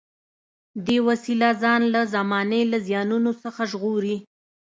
دې وسیله ځان له زمانې له زیانونو څخه ژغوري.